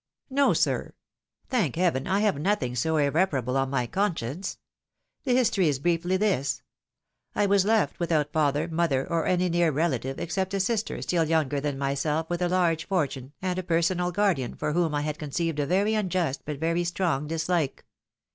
" No, sir. Thank heaven I have nothing so irreparable on my conscience. The history is briefly this :— I was left without father, mother, or any near relative, except a sister still younger than myself, with a large fortune, and a personal guardian, for whom I had conceived a very unjust, but very strong dislike.